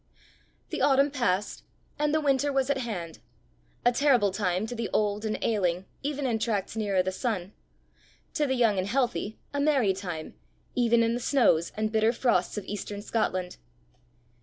The autumn passed, and the winter was at hand a terrible time to the old and ailing even in tracts nearer the sun to the young and healthy a merry time even in the snows and bitter frosts of eastern Scotland.